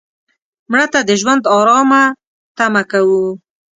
مړه ته د ژوند آرام تمه کوو